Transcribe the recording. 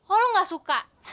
oh lu nggak suka